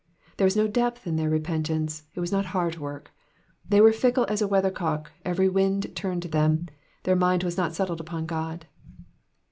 There was no depth in their repentance, it was not heart work. They were fickle as a weathercock, every wind turned them, their mind was not settled upon God.